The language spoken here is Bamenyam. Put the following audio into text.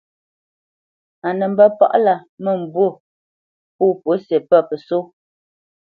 Á nə mbə̄ palá mə̂mbû pô pǔsi pə́ pəsó.